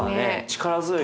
力強い。